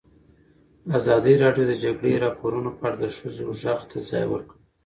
ازادي راډیو د د جګړې راپورونه په اړه د ښځو غږ ته ځای ورکړی.